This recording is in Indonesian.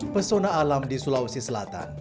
pesona alam di sulawesi selatan